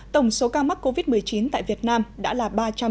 tổng số ca mắc covid một mươi chín tại việt nam đã là ba trăm chín mươi sáu ca